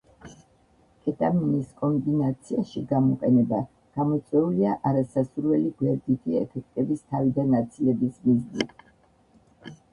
კეტამინის კომბინაციაში გამოყენება გამოწვეულია არასასურველი გვერდითი ეფექტების თავიდან აცილების მიზნით.